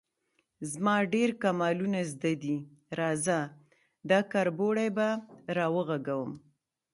_زما ډېر کمالونه زده دي، راځه، دا کربوړی به راوغږوم.